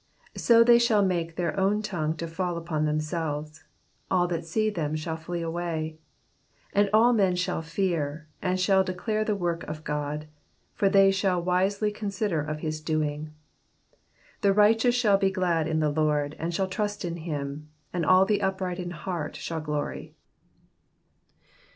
8 So they shall make their own tongue to fall upon themselves : all that see them shall flee away. 9 And all men shall fear, and shall declare the work of God ; for they shall wisely consider of his doing. 10 The righteous shall be glad in the Lord, and shall trust in him ; and all the upright in heart shall glory.